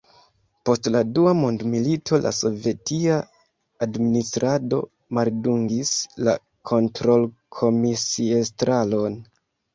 Post la Dua mondmilito la sovetia administrado maldungis la kontrolkomisiestraron.